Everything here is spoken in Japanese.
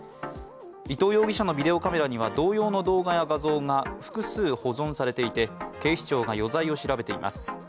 伊藤容疑者のビデオカメラには同様の動画や画像が複数保存されていて、警視庁が余罪を調べています。